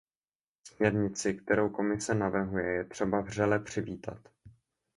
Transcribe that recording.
Směrnici, kterou Komise navrhuje, je třeba vřele přivítat.